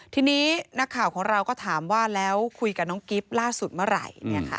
ทีนี้นักข่าวของเราก็ถามว่าแล้วคุยกับน้องกิฟต์ล่าสุดเมื่อไหร่